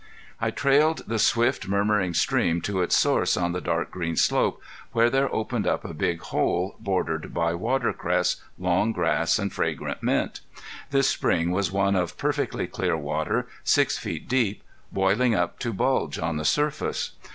I trailed the swift, murmuring stream to its source on the dark green slope where there opened up a big hole bordered by water cress, long grass, and fragrant mint. This spring was one of perfectly clear water, six feet deep, boiling up to bulge on the surface.